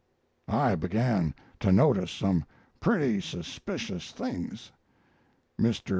I began to notice some pretty suspicious things. Mr.